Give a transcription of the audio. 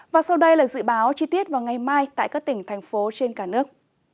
và sau đây là dự báo chi tiết vào ngày mai tại các tỉnh thành phố trên cả nước